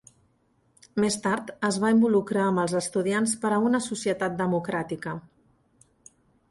Més tard es va involucrar amb els Estudiants per a una Societat Democràtica.